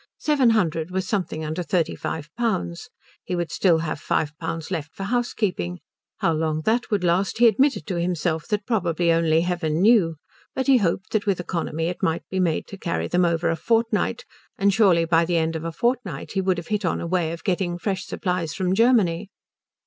Seven hundred was something under thirty five pounds. He would still have five pounds left for housekeeping. How long that would last he admitted to himself that probably only heaven knew, but he hoped that with economy it might be made to carry them over a fortnight; and surely by the end of a fortnight he would have hit on a way of getting fresh supplies from Germany?